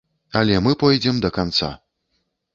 Але мы пойдзем да канца.